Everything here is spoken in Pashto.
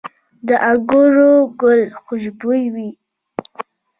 د انګورو ګل خوشبويه وي؟